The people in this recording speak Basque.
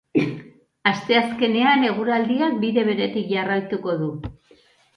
Asteazkenean eguraldiak bide beretik jarraituko du.